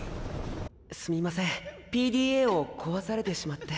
すみませんＰＤＡを壊されてしまって。